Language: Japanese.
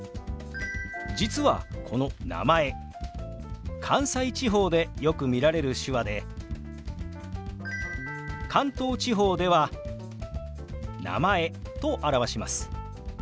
実はこの「名前」関西地方でよく見られる手話で関東地方では「名前」と表します。